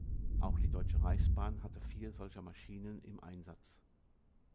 Auch die Deutsche Reichsbahn hatte vier solcher Maschinen im Einsatz.